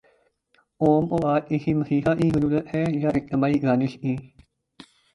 قوم کو آج کسی مسیحا کی ضرورت ہے یا اجتماعی دانش کی؟